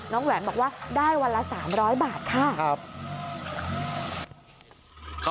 แหวนบอกว่าได้วันละ๓๐๐บาทค่ะ